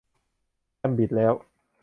แคมบิดแล้ว